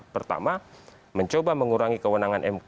pertama mencoba mengurangi kewenangan mk